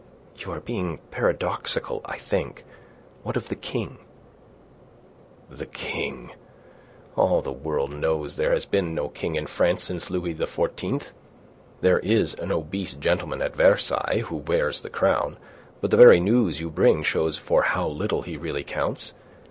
"You are being paradoxical, I think. What of the King?" "The King? All the world knows there has been no king in France since Louis XIV. There is an obese gentleman at Versailles who wears the crown, but the very news you bring shows for how little he really counts.